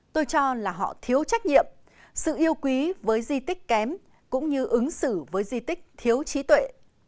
tôi cho là họ thiếu trách nhiệm sự yêu quý với di tích kém cũng như ứng xử với di tích thiếu trí tuệ